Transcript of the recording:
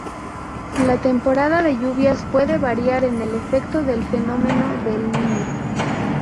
La temporada de lluvias puede variar por el efecto del fenómeno de El Niño.